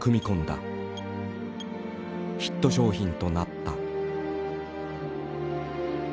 ヒット商品となった。